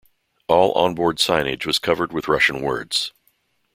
All onboard signage was covered with Russian words.